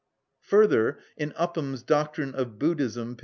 Further, in Upham's "Doctrine of Buddhism," p.